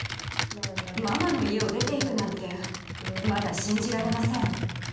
ママの家を出て行くなんてまだ信じられません。